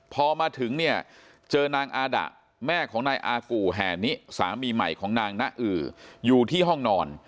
พอมาถึงเนี่ยเจอนางอาดะแม่ของนายอากู่แห่นิสามีใหม่ของนางนะอืออยู่ที่ห้องนอน